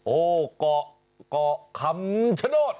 โอ้เกาะเกาะคำชโนธ